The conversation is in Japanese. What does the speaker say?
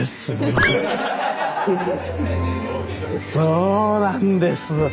そうなんです！